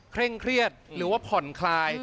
เร่งเครียดหรือว่าผ่อนคลาย